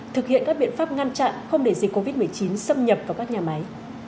thực hiện các biện pháp ngăn chặn không để dịch covid một mươi chín xâm nhập vào các nhà máy